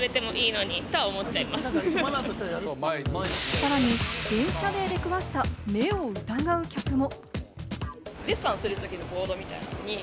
さらに電車で出くわした目を疑う客も。